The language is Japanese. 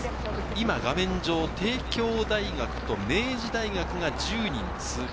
今画面上、帝京大学と明治大学が１０人通過。